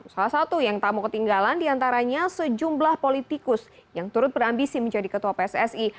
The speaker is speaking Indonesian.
salah satu yang tak mau ketinggalan diantaranya sejumlah politikus yang turut berambisi menjadi ketua pssi